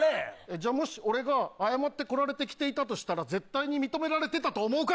じゃあもし俺が謝って来られて来ていたとしたら絶対に認められてたと思うか？